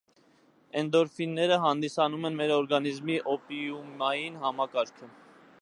Էնդորֆինները հանդիսանում են մեր օրգանիզմի օպիումային համակարգը։